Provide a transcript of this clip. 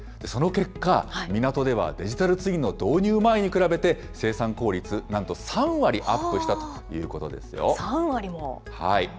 その結果、港ではデジタルツインの導入前に比べて、生産効率、なんと３割アップしたということで３割も。